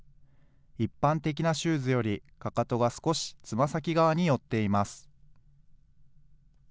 一般的なシューズよりかかとが少しつま先側に寄っています。